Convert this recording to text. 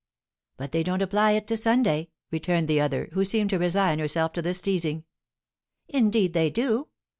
"But they don't apply it to Sunday," returned the other, who seemed to resign herself to this teasing. "Indeed they do!"